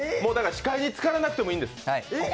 死海につからなくていいんです。